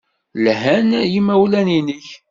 Lhan yimawlan-nnek.